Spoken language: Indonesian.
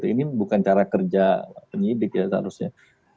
ini bukan cara kerja penyidik ya seharusnya